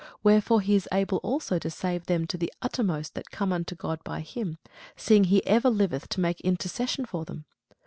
Wherefore he is able also to save them to the uttermost that come unto God by him, seeing he ever liveth to make intercession for them.